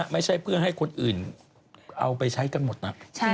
ไม่ใช่เพื่อให้คนอื่นเอาไปใช้กันหมดนะ